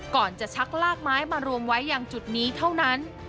ก่อนจะชักลากไม้มารวมไว้อย่างจุดนี้เท่านั้น